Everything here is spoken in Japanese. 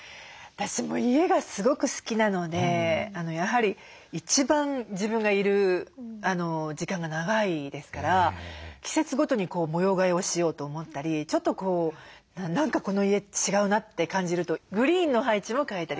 私も家がすごく好きなのでやはり一番自分がいる時間が長いですから季節ごとに模様替えをしようと思ったりちょっとこう何かこの家違うなって感じるとグリーンの配置を変えたり。